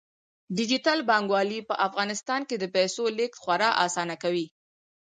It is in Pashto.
ډیجیټل بانکوالي په افغانستان کې د پیسو لیږد خورا اسانه کوي.